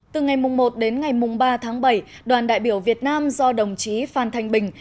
từ ngày một đến ngày ba tháng bảy đoàn đại biểu việt nam do đồng chí phan thanh bình